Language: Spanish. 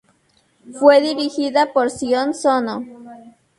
Fue dirigida por Sion Sono.